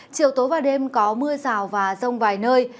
chiều tối và đêm có mưa rào và rông vài nơi